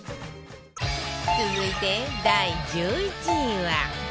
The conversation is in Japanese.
続いて第１１位は